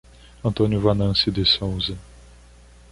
Antônio Venancio de Souza